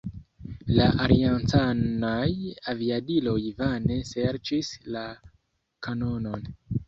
La aliancanaj aviadiloj vane serĉis la kanonon.